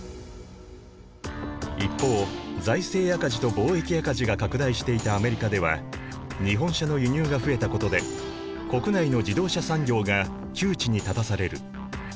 一方財政赤字と貿易赤字が拡大していたアメリカでは日本車の輸入が増えたことで国内の自動車産業が窮地に立たされる。